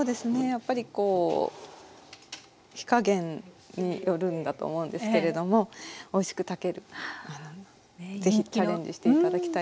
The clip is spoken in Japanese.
やっぱりこう火加減によるんだと思うんですけれどもおいしく炊けるぜひチャレンジして頂きたいと思います。